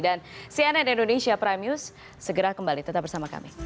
dan cnn indonesia prime news segera kembali tetap bersama kami